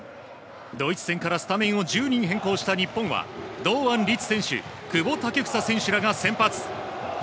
ドイツ戦からスタメンを１０人変更した日本は、堂安律選手、久保建英選手らが先発。